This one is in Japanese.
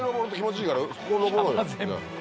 ここ登ろうよ。